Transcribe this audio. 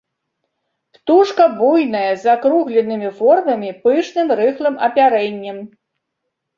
Птушка буйная, а акругленымі формамі, пышным, рыхлым апярэннем.